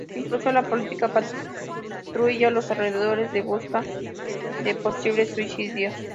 Incluso la policía patrulla los alrededores en busca de posibles suicidas.